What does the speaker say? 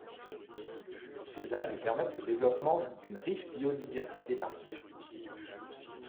Ces algues permettent le développement d'une riche biodiversité marine.